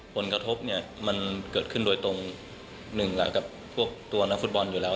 ผลกระทบเนี่ยมันเกิดขึ้นโดยตรงหนึ่งแหละกับพวกตัวนักฟุตบอลอยู่แล้ว